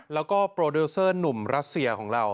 แล้วก็โปรดิวเซอร์หนุ่มรัสเซียของเรา